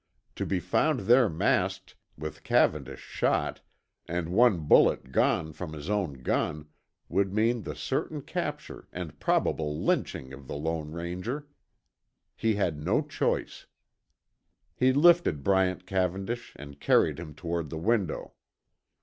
To be found there masked, with Cavendish shot, and one bullet gone from his own gun, would mean the certain capture and probable lynching of the Lone Ranger. He had no choice. He lifted Bryant Cavendish and carried him toward the window.